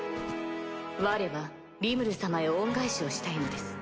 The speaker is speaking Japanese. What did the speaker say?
われはリムル様へ恩返しをしたいのです。